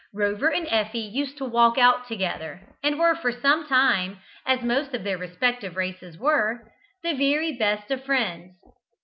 Rover and Effie used to walk out together, and were for some time, as most of their respective races were, the very best of friends.